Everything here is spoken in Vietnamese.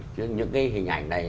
chứ những cái hình ảnh này